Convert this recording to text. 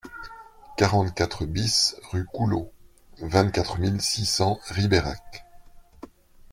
quarante-quatre BIS rue Couleau, vingt-quatre mille six cents Ribérac